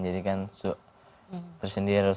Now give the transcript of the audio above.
jadi kan tersendiri harus